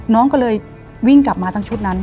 น้องก็เลยวิ่งกลับมาทั้งชุดนั้น